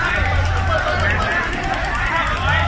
อันนี้ก็มันถูกประโยชน์ก่อน